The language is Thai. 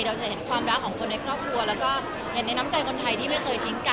เราจะเห็นความรักของคนในครอบครัวแล้วก็เห็นในน้ำใจคนไทยที่ไม่เคยทิ้งกัน